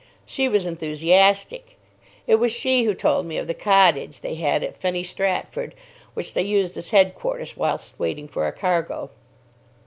She was enthusiastic. It was she who told me of the cottage they had at Fenny Stratford, which they used as headquarters whilst waiting for a cargo.